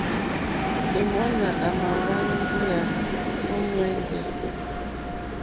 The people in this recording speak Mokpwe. Èŋwánà àmà wáŋgéyà ó ŋwɛ̀ŋgɛ̀.